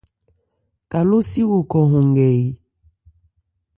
Kalósi wo khɔ hɔn nkɛ e ?